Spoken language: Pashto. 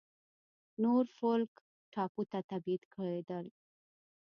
نورفولک ټاپو ته تبعید کېدل.